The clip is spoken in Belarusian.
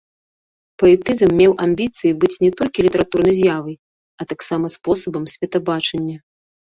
Паэтызм меў амбіцыі быць не толькі літаратурнай з'явай, а таксама спосабам светабачання.